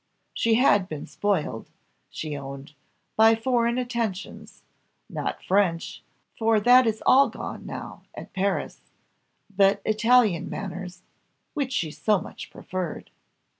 She had been spoiled, she owned, by foreign attentions, not French, for that is all gone now at Paris, but Italian manners, which she so much preferred.